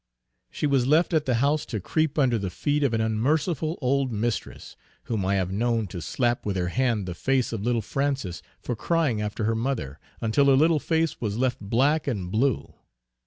She was left at the house to creep under the feet of an unmerciful old mistress, whom I have known to slap with her hand the face of little Frances, for crying after her mother, until her little face was left black and blue.